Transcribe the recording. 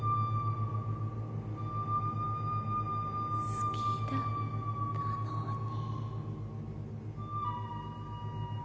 好きだったのに。